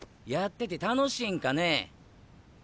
やってて楽しいんかね？